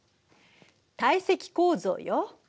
堆積構造よ。